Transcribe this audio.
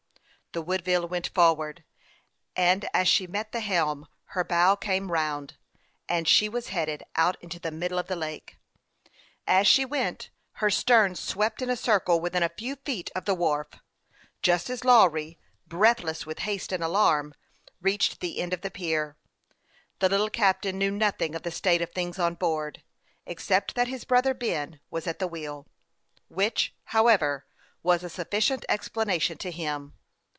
The Woodville went forward, and as she met the helm her bow came round, and she was headed out into the middle of the lake. As she went ahead, her stern swept in a circle wjthin a few feet of the wharf, just as Lawry, breathless with haste and alarm, reached the end of the pier. The little captain knew nothing of the state of things on board, except that his brother Ben was at the wheel, which, however, was a sufficient explanation to him.